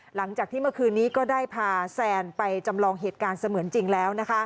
หลังจากที่เมื่อคืนนี้ก็ได้พาแซนไปจำลองเหตุการณ์เสมือนจริงแล้ว